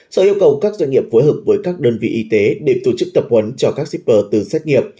sở yêu cầu các doanh nghiệp phối hợp với các đơn vị y tế để tổ chức tập huấn cho các shipper từ xét nghiệm